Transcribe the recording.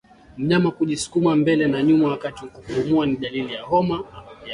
Mnyama kujisukuma mbele na nyuma wakati wa kupumua ni dalili ya homa ya mapafu